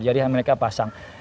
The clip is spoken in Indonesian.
jadi mereka pasang